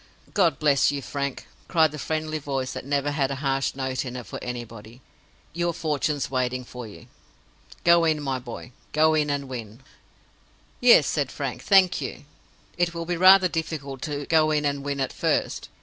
"God bless you, Frank!" cried the friendly voice that never had a harsh note in it for anybody. "Your fortune's waiting for you. Go in, my boy—go in and win." "Yes," said Frank. "Thank you. It will be rather difficult to go in and win, at first.